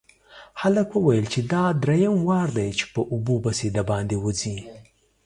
هلک وويل چې دا دريم وار دی چې په اوبو پسې د باندې وځي.